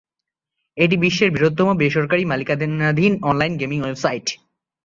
এটি বিশ্বের বৃহত্তম বেসরকারী মালিকানাধীন অনলাইন গেমিং ওয়েবসাইট।